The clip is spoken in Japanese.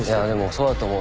そうだと思う。